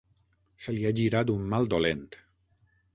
Se li ha girat un mal dolent.